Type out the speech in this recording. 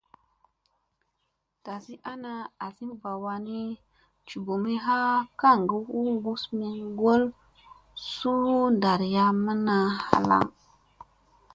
Dasi ana, asi ɓa wannii, juɓumi ha kaŋga u gus mi sogom ŋgol suu ɗarayamma halaŋga.